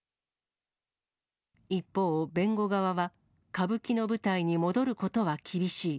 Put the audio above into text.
一方、弁護側は歌舞伎の舞台に戻ることは厳しい。